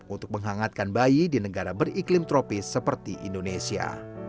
untuk menghangatkan bayi di negara beriklim tropis seperti indonesia